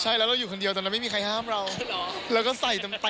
ใช่แล้วเราอยู่คนเดียวแต่ไม่มีใครห้ามเราเราก็ใส่เต็มเลย